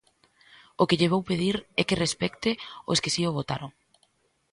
O que lle vou pedir é que respecte os que si o votaron.